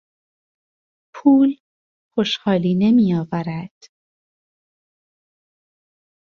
پول خوشحالی نمیآورد.